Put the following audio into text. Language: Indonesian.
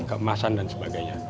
keemasan dan sebagainya